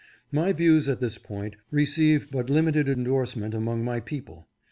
My views at this point receive but limited endorse ment among my people.